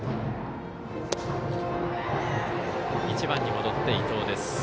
１番に戻って伊藤です。